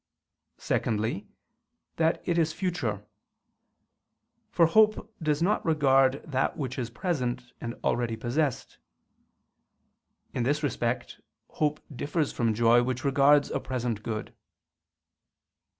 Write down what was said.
Secondly, that it is future; for hope does not regard that which is present and already possessed: in this respect, hope differs from joy which regards a present good.